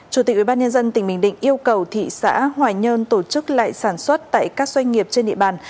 chủ tịch ubnd tỉnh bình định yêu cầu thị xã hoài nhơn tổ chức lại sản xuất tại các doanh nghiệp trên địa bàn